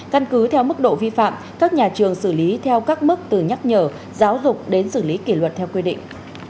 căn cứ theo mức độ vi phạm các nhà trường xử lý theo các mức từ nhắc nhở giáo dục đến xử lý kỷ luật theo quy định